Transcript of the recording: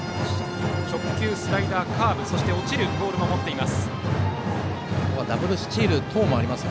直球、スライダー、カーブそして落ちるボールも持っています。